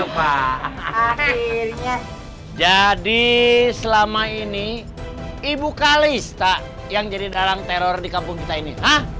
pak jadi selama ini ibu kalista yang jadi dalang teror di kampung kita ini